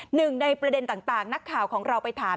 หนึ่งในประเด็นต่างนักข่าวของเราไปถาม